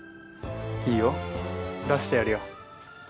いいよ出してやるよ。